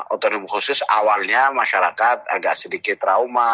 otorium khusus awalnya masyarakat agak sedikit trauma